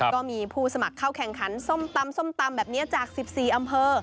ก็มีผู้สมัครเข้าแข่งขันส้มตำส้มตำแบบนี้จาก๑๔อำเภอ